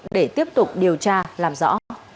để tiếp tục điều tra làm rõ